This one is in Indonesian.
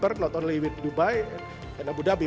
bukan hanya dengan dubai dan abu dhabi